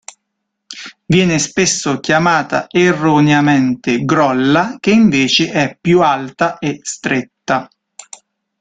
Viene spesso chiamata erroneamente grolla, che invece è più alta e stretta.